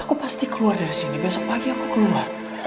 aku pasti keluar dari sini besok pagi aku keluar